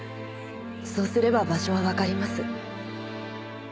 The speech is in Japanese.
そうすれば場所はわかります。